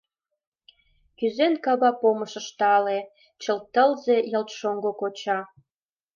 Кӱзен кава помышыш тале Чал тылзе — ялт шоҥго коча.